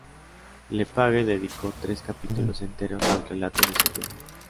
Le Page dedicó tres capítulos enteros al relato de esos viajes.